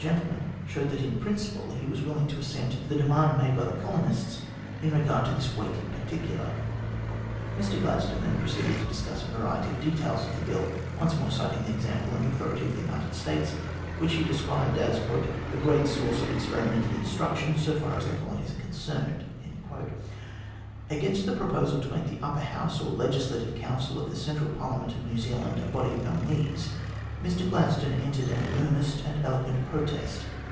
gentleman showed that in principle he was willing to assent to the demand made by the colonists in regard to this weighty particular. Mr Gladstone then proceeded to discuss a variety of details of the Bill, once more citing the example and authority of the United States, which he described as "the great source of experimental instruction, so far as the colonies are concerned." Against the proposal to make the Upper House or Legislative Council of the Central Parliament of New Zealand a body of nominees, Mr Gladstone entered an earnest and eloquent protest.